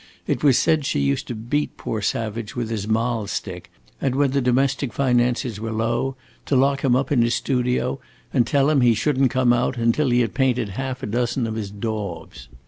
It was said she used to beat poor Savage with his mahl stick and when the domestic finances were low to lock him up in his studio and tell him he should n't come out until he had painted half a dozen of his daubs.